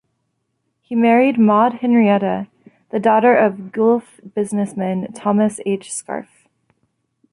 He married Maude Henrietta, the daughter of Guelph businessman Thomas H. Scarff.